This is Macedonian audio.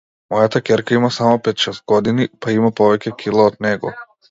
Мојата ќерка има само пет-шест години, па има повеќе кила од него.